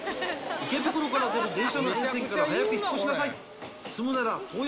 池袋から出る電車の沿線から早く引っ越しなさい。